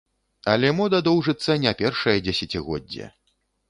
Але мода доўжыцца не першае дзесяцігоддзе.